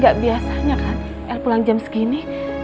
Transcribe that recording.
gak biasanya kan el pulang jam segini